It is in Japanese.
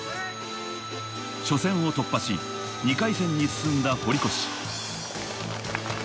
初戦を突破し、２回戦に進んだ堀越。